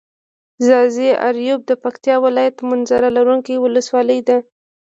ځاځي اريوب د پکتيا ولايت منظره لرونکي ولسوالي ده.